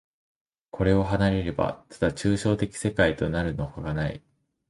これを離れれば、ただ抽象的世界となるのほかない。